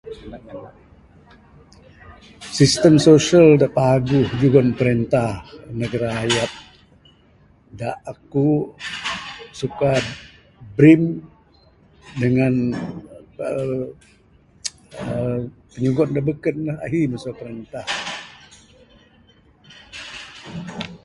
Sistem sosial da paguh jugon perintah neg rakyat da aku suka brim dangan uhh nyugon da beken lah ahi masu perintah.